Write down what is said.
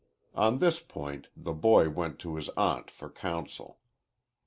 On this point the boy went to his aunt for counsel.